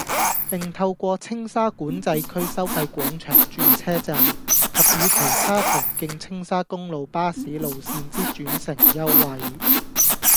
並透過青沙管制區收費廣場轉車站及與其他途經青沙公路巴士路線之轉乘優惠，